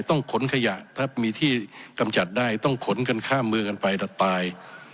ต้องขนขยะถ้ามีที่กำจัดได้ต้องขนกันข้ามมือกันไปแต่ตาย